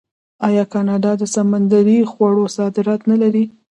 آیا کاناډا د سمندري خوړو صادرات نلري؟